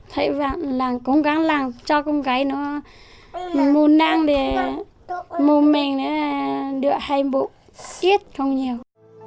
thấy bạn làm cố gắng làm cho con gái nó mù năng để mù mình được hạnh phúc ít không nhiều